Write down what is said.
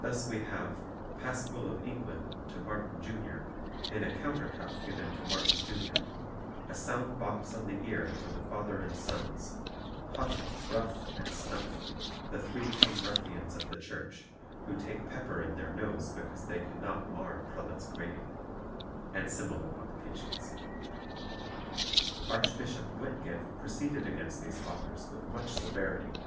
Thus we have _Pasquill of England to Martin Junior, in a countercuffe given to Martin Junior; A sound boxe on the eare for the father and sonnes, Huffe, Ruffe, and Snuffe, the three tame ruffians of the Church, who take pepper in their nose because they cannot marre Prelates grating_; and similar publications. Archbishop Whitgift proceeded against these authors with much severity.